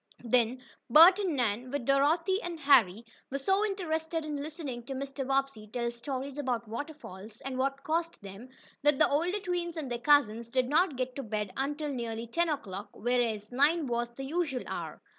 Then Bert and Nan, with Dorothy and Harry were so interested in listening to Mr. Bobbsey tell stories about waterfalls, and what caused them, that the older twins and their cousins did not get to bed until nearly ten o'clock, whereas nine was the usual hour.